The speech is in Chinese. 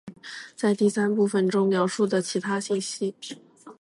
·在第三部分中描述的其他信息。